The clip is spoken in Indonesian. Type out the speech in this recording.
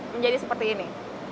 menjadi seperti ini